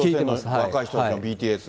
若い人たちは、ＢＴＳ。